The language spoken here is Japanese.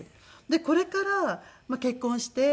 でこれから結婚して私の子供。